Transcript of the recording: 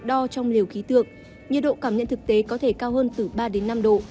đo trong liều khí tượng nhiệt độ cảm nhận thực tế có thể cao hơn từ ba đến năm độ